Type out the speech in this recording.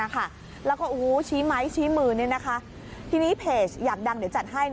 แล้วก็ชี้ไม้ชี้มือทีนี้เพจอยากดังเดี๋ยวจัดให้